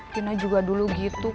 tina juga dulu gitu